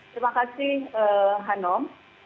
terima kasih hanom